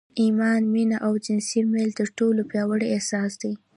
ايمان، مينه او جنسي ميل تر ټولو پياوړي احساسات دي.